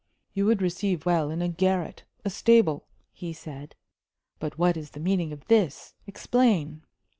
"You would receive well in a garret a stable," he said. "But what is the meaning of this? Explain."